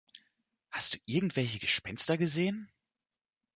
Hast du irgendwelche Gespenster gesehen?